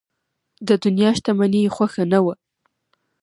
د دنیا شتمني یې خوښه نه وه.